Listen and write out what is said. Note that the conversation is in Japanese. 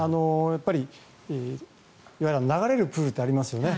流れるプールってありますよね。